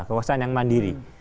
kekuasaan yang mandiri